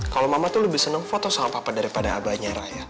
kalau mama tuh lebih senang foto sama papa daripada abahnya raya